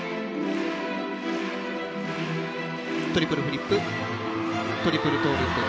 トリプルフリップトリプルトウループ。